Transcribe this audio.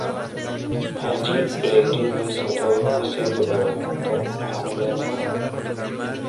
Allí Pellegrino hizo todo lo posible para levantar la familia de nuevo.